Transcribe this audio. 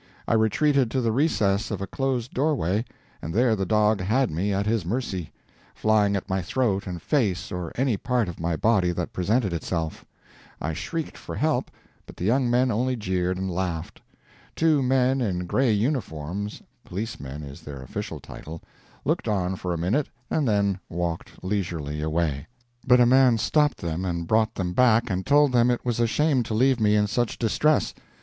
I retreated to the recess of a closed doorway, and there the dog had me at his mercy, flying at my throat and face or any part of my body that presented itself. I shrieked for help, but the young men only jeered and laughed. Two men in gray uniforms (policemen is their official title) looked on for a minute and then walked leisurely away. But a man stopped them and brought them back and told them it was a shame to leave me in such distress.